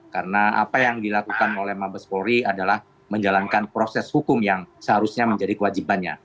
karena apa yang dilakukan oleh mabes paul ri adalah menjalankan proses hukum yang seharusnya menjadi kewajibannya